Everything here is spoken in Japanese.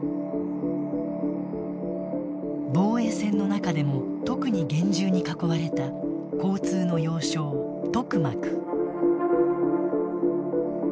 防衛線の中でも特に厳重に囲われた交通の要衝トクマク。